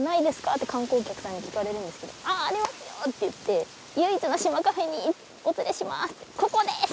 って観光客さんに聞かれるんですけど「あっありますよ」って言って「唯一の島カフェにお連れします」って「ここです！」